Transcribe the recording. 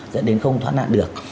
dẫn đến không thoát nạn được